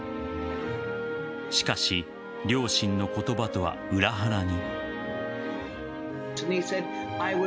しかし、両親の言葉とは裏腹に。